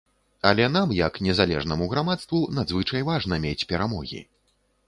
Але нам, як незалежнаму грамадству надзвычай важна мець перамогі.